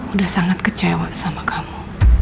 udah sangat kecewa sama kamu